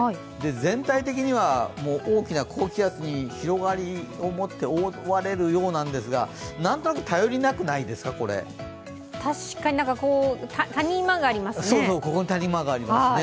全体的には大きな高気圧に広がりを持って覆われるようなんですが、何となく頼りなくないですか、これ確かに、谷間がありますね。